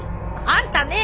あんたね